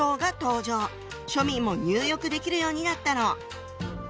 庶民も入浴できるようになったの。